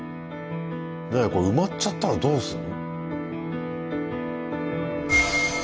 これ埋まっちゃったらどうするの？